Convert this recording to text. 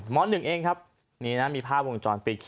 ๑เองครับนี่นะมีภาพวงจรปิด